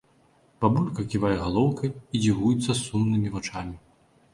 Бабулька ківае галоўкай і дзівуецца сумнымі вачамі.